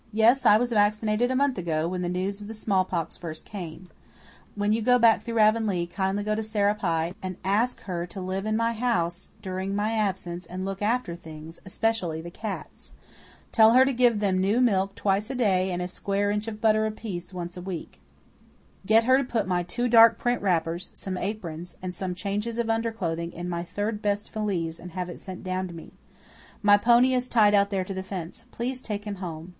"Yes, I was vaccinated a month ago, when the news of the smallpox first came. When you go back through Avonlea kindly go to Sarah Pye and ask her to live in my house during my absence and look after things, especially the cats. Tell her to give them new milk twice a day and a square inch of butter apiece once a week. Get her to put my two dark print wrappers, some aprons, and some changes of underclothing in my third best valise and have it sent down to me. My pony is tied out there to the fence. Please take him home.